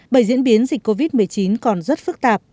bởi diễn biến dịch covid một mươi chín còn rất phức tạp